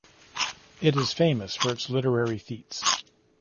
It is famous for its literary feats.